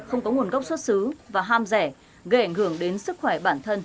không có nguồn gốc xuất xứ và ham rẻ gây ảnh hưởng đến sức khỏe bản thân